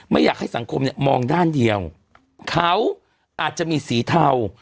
ไม่อยากให้สังคมเนี่ยมองด้านเดียวเขาอาจจะมีสีเทา